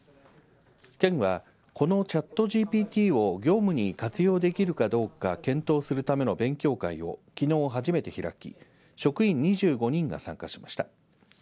県は、このチャットＧＰＴを業務に活用できるかどうか検討するための勉強会をきのう初めて開き職員２５人が参加しました。